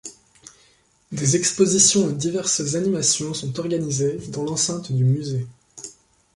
Des expositions et diverses animations sont organisées dans l'enceinte du musée.